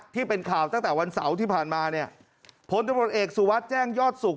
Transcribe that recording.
ที่เป็นข่าวตั้งแต่วันเสาร์ที่ผ่านมาเนี่ยผลตำรวจเอกสุวัสดิ์แจ้งยอดสุข